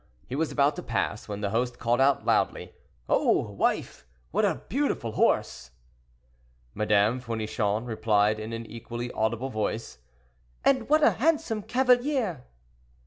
He was about to pass, when the host called out loudly—"Oh! wife, what a beautiful horse!" Madame Fournichon replied in an equally audible voice, "And what a handsome cavalier!"